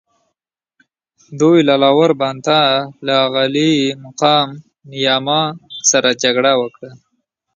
دوی له لاور بانتا له عالي مقام نیاما سره جګړه وکړه.